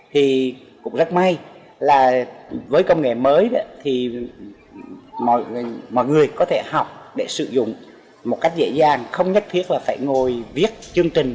thì cũng rất may là với công nghệ mới thì mọi người có thể học để sử dụng một cách dễ dàng không nhất thiết là phải ngồi viết chương trình